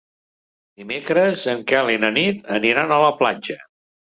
Divendres en Quel i na Nit aniran a la platja.